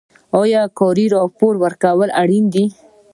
کاري راپور ورکول اړین دي